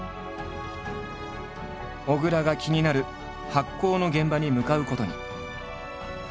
小倉が気になる発酵の現場に向かうことに。